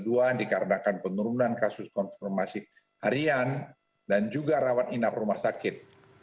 dikarenakan penurunan kasus konfirmasi harian dan juga rawat inap rumah sakit